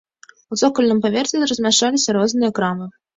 У цокальным паверсе размяшчаліся розныя крамы.